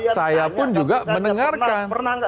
saya pun juga mendengarkan